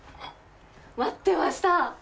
待ってました！